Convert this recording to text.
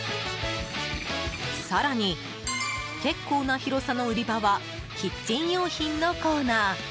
更に、結構な広さの売り場はキッチン用品のコーナー。